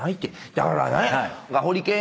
だからね。